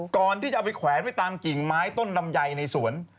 ก่อนที่จะเอาไปแขวนไว้ตามกิ่งไม้ต้นลำไยในสวน